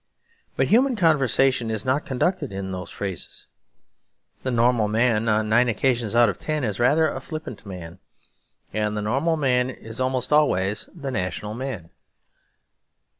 But human conversation is not conducted in those phrases. The normal man on nine occasions out of ten is rather a flippant man. And the normal man is almost always the national man.